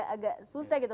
agak susah gitu